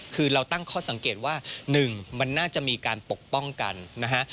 คือเราตั้งข้อสังเกตว่า๑มันน่าจะมีการปกป้องกันนะฮะ